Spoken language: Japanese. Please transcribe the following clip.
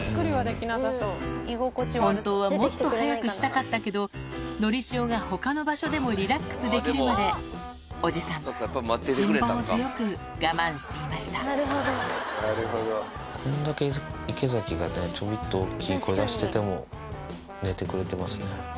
本当はもっと早くしたかったけど、のりしおがほかの場所でもリラックスできるまで、おじさん、こんだけ池崎がね、ちょびっと大きい声出してても、寝てくれてますね。